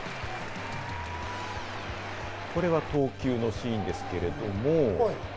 これが投球のシーンですけれども。